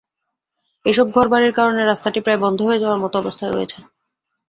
এসব ঘরবাড়ির কারণে রাস্তাটি প্রায় বন্ধ হয়ে যাওয়ার মতো অবস্থা হয়েছে।